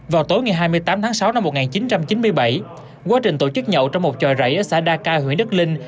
vào tối ngày hai mươi tám tháng sáu năm một nghìn chín trăm chín mươi bảy quá trình tổ chức nhậu trong một tròi rẫy ở xã đa ca huyện đức linh